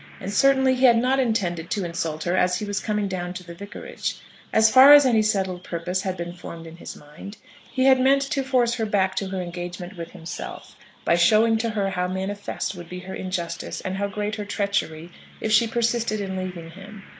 And certainly he had not intended to insult her as he was coming down to the vicarage. As far as any settled purpose had been formed in his mind, he had meant to force her back to her engagement with himself, by showing to her how manifest would be her injustice, and how great her treachery, if she persisted in leaving him.